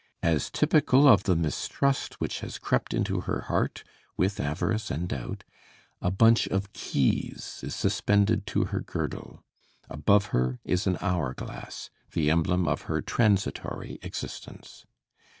As typical of the mistrust which has crept into her heart with avarice and doubt, a bunch of keys is suspended to her girdle; above her is an hour glass, the emblem of her transitory existence.